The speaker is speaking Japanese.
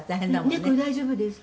「猫大丈夫ですか？」